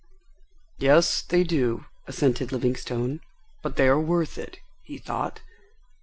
"Yes, they do," assented Livingstone. "But they are worth it," he thought.